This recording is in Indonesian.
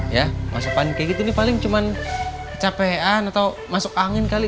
ya masakan kayak gitu nih paling cuma capean atau masuk angin kali